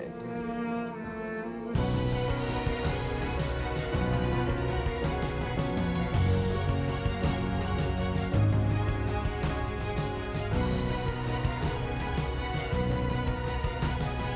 saya juga sedemikian anak saya